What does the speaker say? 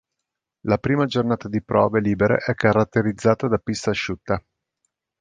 La prima giornata di prove libere è caratterizzata da pista asciutta.